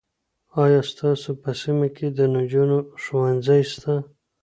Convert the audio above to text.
آیا ستاسو په سیمه کې د نجونو ښوونځی سته؟